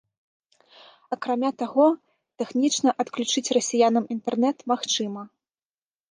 Акрамя таго, тэхнічна адключыць расіянам інтэрнэт магчыма.